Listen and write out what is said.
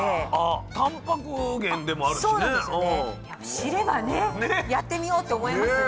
知ればねやってみようって思いますね。